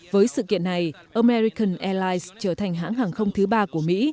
với sự kiện này american airlines trở thành hãng hàng không thứ ba của mỹ